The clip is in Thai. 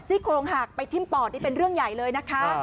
โครงหักไปทิ้มปอดนี่เป็นเรื่องใหญ่เลยนะคะ